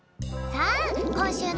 さあ！